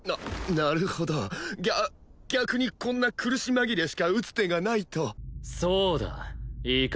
なるほどぎゃ逆にこんな苦し紛れしか打つ手がないとそうだいいか